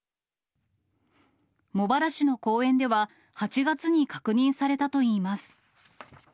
茂原市の公園では、８月に確認されたといいます。